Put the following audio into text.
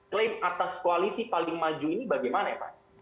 klaim atas koalisi paling maju ini bagaimana ya pak